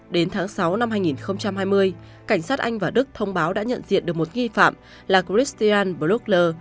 đến tháng sáu năm hai nghìn hai mươi cảnh sát anh và đức thông báo đã nhận diện được một nghi phạm là christian blookler